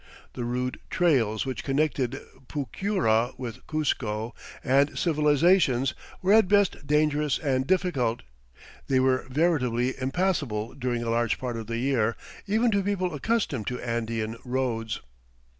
The rude trails which connected Pucyura with Cuzco and civilization were at best dangerous and difficult. They were veritably impassable during a large part of the year even to people accustomed to Andean "roads."